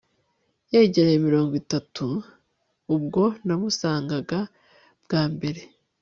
Yegereye mirongo itatu ubwo namusangaga bwa mbere